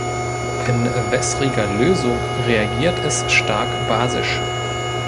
In wässriger Lösung reagiert es stark basisch.